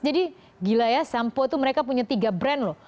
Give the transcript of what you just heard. jadi gila ya shampoo itu mereka punya tiga brand loh